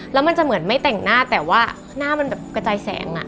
แล้วมันจะเหมือนไม่แต่งหน้าแต่ว่าหน้ามันแบบกระจายแสงอ่ะ